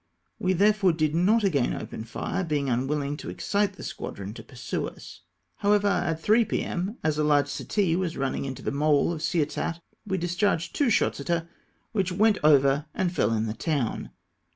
We therefore did not again open fire, being unwilling to excite the squadron to pursue us. However, at 3 p.m., as a large settee was running into the mole of Ciotat, we discharged two shots at her, which went over and fell in the town.